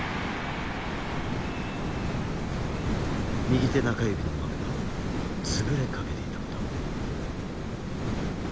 右手中指のまめが潰れかけていたのだ。